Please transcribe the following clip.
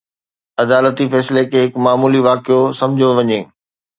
عدالتي فيصلي کي هڪ معمولي واقعو سمجهيو وڃي.